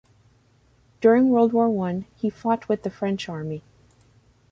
During World War One, he fought with the French army.